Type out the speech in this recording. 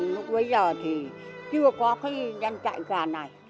lúc bấy giờ thì chưa có cái nhanh chạy gà này